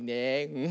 うん。